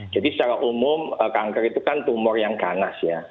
jadi secara umum kanker itu kan tumor yang ganas ya